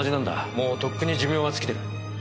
もうとっくに寿命は尽きてる。